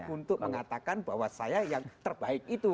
untuk mengatakan bahwa saya yang terbaik itu